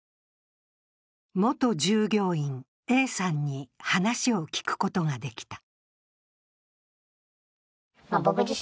元従業員、Ａさんに話を聞くことができた。